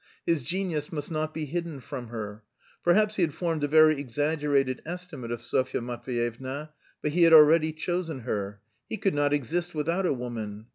His genius must not be hidden from her.... Perhaps he had formed a very exaggerated estimate of Sofya Matveyevna, but he had already chosen her. He could not exist without a woman.